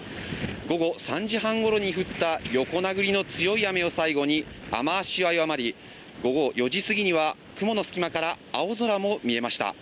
午後３時半ごろに降った横殴りの強い雨を最後に雨足は弱まり、午後４時すぎには雲の隙間から青空も見えました。